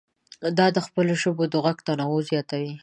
دا د خپلو ژبو د غږونو تنوع زیاتوي.